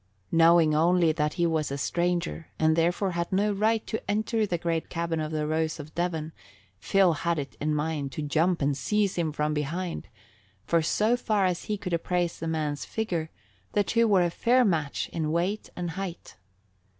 Knowing only that he was a stranger and therefore had no right to enter the great cabin of the Rose of Devon, Phil had it in mind to jump and seize him from behind, for so far as he could appraise the man's figure, the two were a fair match in weight and height.